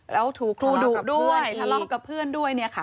แล้วถูกครูดุด้วยทะเลาะกับเพื่อนด้วยเนี่ยค่ะ